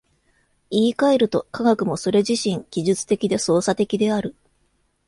言い換えると、科学もそれ自身技術的で操作的である。